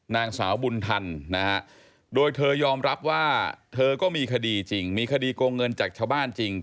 นางสาวบุญทันนะฮะโดยเธอยอมรับว่าเธอก็มีคดีจริงมีคดีโกงเงินจากชาวบ้านจริง